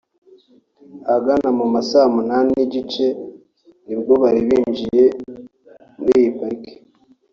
Ahagana mu ma saa munani n’igice ni bwo bari binjiye muri iyi parike